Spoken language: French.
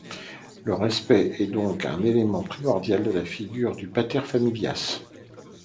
Le respect est donc un élément primordial de la figure du pater familias.